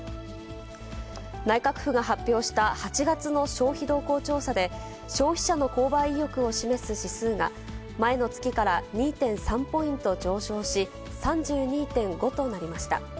内閣府が発表した８月の消費動向調査で、消費者の購買意欲を示す指数が、前の月から２．３ポイント上昇し、３２．５となりました。